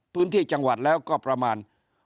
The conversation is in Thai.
พื้นที่จังหวัดแล้วก็ประมาณ